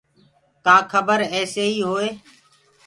ڪآ کبر ايسيئيٚ هوئي